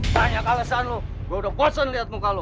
tanya kalesan lu gua udah bosen liat muka lu